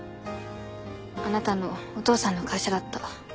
あなたのお父さんの会社だった。